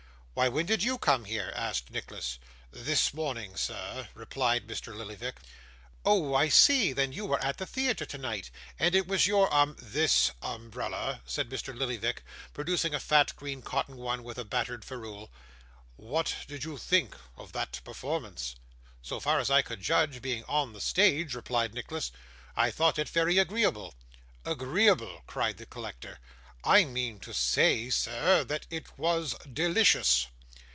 'Why, when did you come here?' asked Nicholas. 'This morning, sir,' replied Mr. Lillyvick. 'Oh! I see; then you were at the theatre tonight, and it was your umb ' 'This umbrella,' said Mr. Lillyvick, producing a fat green cotton one with a battered ferrule. 'What did you think of that performance?' 'So far as I could judge, being on the stage,' replied Nicholas, 'I thought it very agreeable.' 'Agreeable!' cried the collector. 'I mean to say, sir, that it was delicious.